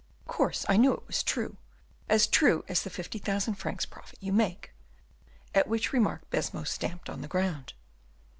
"Of course I knew it was true, as true as the fifty thousand francs profit you make;" at which remark Baisemeaux stamped on the ground.